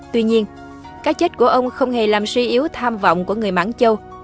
tuy nhiên cái chết của ông không hề làm suy yếu tham vọng của người mãng châu